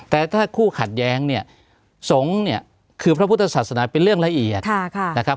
แต่ถ้าคู่ขัดแย้งเนี่ยสงฆ์เนี่ยคือพระพุทธศาสนาเป็นเรื่องละเอียดนะครับ